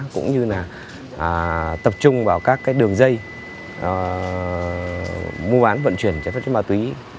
cũng như là tập trung vào các đường dây mua bán vận chuyển trái pháp trên ma túy